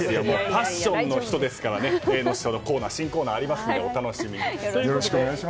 パッションの人ですから後ほど新コーナーありますからお楽しみに。